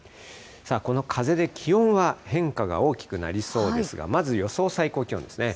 この風で気温は変化が大きくなりそうですが、まず予想最高気温ですね。